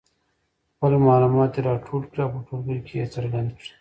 خپل معلومات دې راټول کړي او په ټولګي کې یې څرګند کړي.